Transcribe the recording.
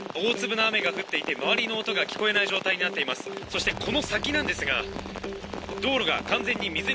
そしてこの先なんですが。